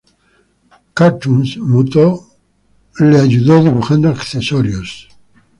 Cartoons," Muto le ayudó dibujando accesorios.